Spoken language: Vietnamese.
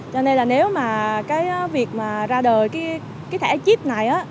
cho nên là nếu mà cái việc mà ra đời cái thẻ chip này á